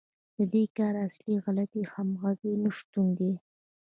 د دې کار اصلي علت د همغږۍ نشتون دی